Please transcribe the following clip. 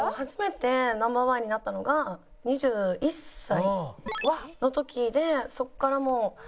初めてＮｏ．１になったのが２１歳の時でそこからもう。